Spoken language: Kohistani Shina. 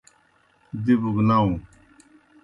دِبوْ گہ ناؤں۔